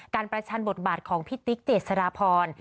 การประชานบทบาทของพี่ติ๊กเจสรพร